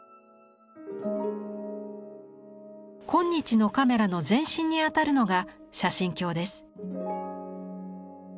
今日のカメラの前身にあたるのが写真鏡です。